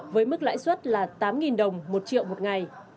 với mức lãi suất là tám đồng một triệu một ngày